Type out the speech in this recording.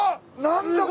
何だ？